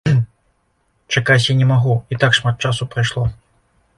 Чакаць я не магу, і так шмат часу прайшло.